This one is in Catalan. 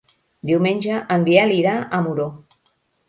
Diumenge en Biel irà a Muro.